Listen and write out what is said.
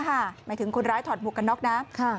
หมายถึงคนร้ายถอดหมวกกันน็อกนะ